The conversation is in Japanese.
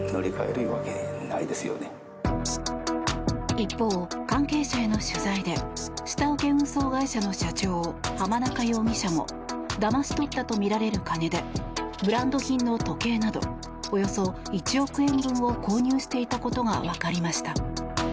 一方、関係者への取材で下請け運送会社の社長濱中容疑者もだまし取ったとみられる金でブランド品の時計などおよそ１億円分を購入していたことがわかりました。